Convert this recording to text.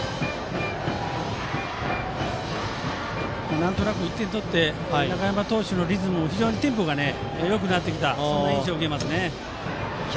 なんとなく１点取って中山投手のリズムも非常にテンポがよくなってきた印象を受けますね。